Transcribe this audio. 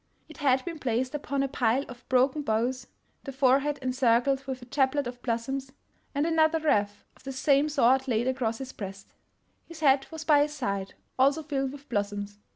It had been placed upon a pile of broken boughs, the forehead encircled with a chaplet of blossoms, and another wreath of the same sort laid across his breast. His hat was by his side, also filled with blossoms.